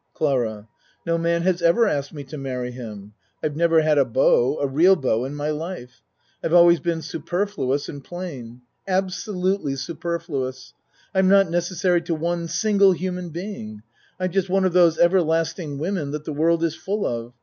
CLARA No man has ever asked me to marry him. I've never had a beau a real beau in my life. I I've always been superfluous and plain. Absolutely superfluous. I'm not necessary to one single human being. I'm just one of those ever lasting women that the world is full of.